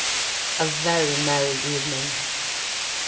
A very merry evening.